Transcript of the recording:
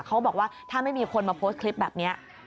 เขาบอกว่าถ้าไม่มีคนมาโพสต์คลิปแบบนี้